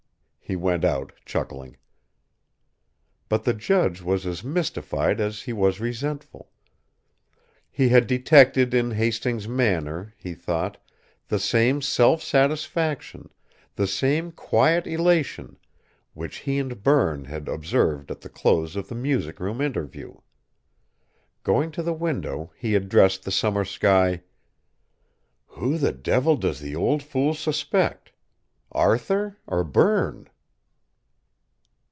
He went out, chuckling. But the judge was as mystified as he was resentful. He had detected in Hastings' manner, he thought, the same self satisfaction, the same quiet elation, which he and Berne had observed at the close of the music room interview. Going to the window, he addressed the summer sky: "Who the devil does the old fool suspect Arthur or Berne?"